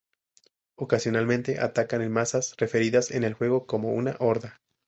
Ocasionalmente, atacan en masas referidas en el juego como una "horda".